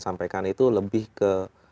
sampaikan itu lebih ke